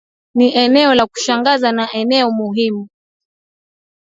Ni eneo la kushangaza na eneo muhimu